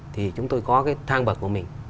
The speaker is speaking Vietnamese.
thì chúng tôi có cái thang vật của mình